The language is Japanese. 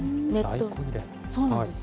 そうなんです。